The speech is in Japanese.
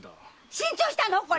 新調したのこれ⁉